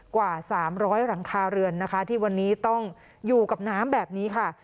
กว่า๓๐๐หลังคาเรือนนะคะที่วันนี้ต้องอยู่กับน้ำแบบนี้ค่ะ